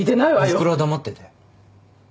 おふくろは黙ってて。